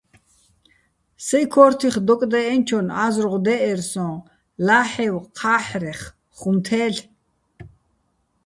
საჲ ქო́რთიხ დოკდე́ჸენჩონ ა́ზრუღ დე́ჸერ სოჼ: ლა́ჰ̦ევ ჴა́ჰ̦რეხ ხუმ თე́ლ'ე̆?